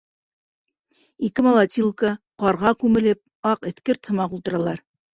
Ике молотилка, ҡарға күмелеп, аҡ эҫкерт һымаҡ ултыралар.